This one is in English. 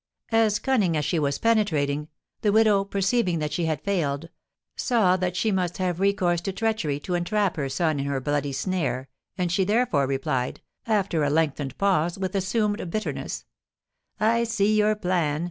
As cunning as she was penetrating, the widow, perceiving that she had failed, saw that she must have recourse to treachery to entrap her son in her bloody snare, and she therefore replied, after a lengthened pause, with assumed bitterness: "I see your plan.